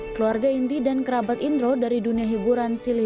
keluarga inti dan kerabat indro dari dunia hiburan silih